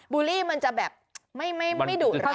บูลลี่จะแบบไม่ดุร้าย